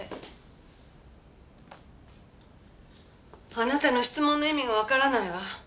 あなたの質問の意味がわからないわ。